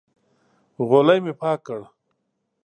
غولی مې پاک کړ.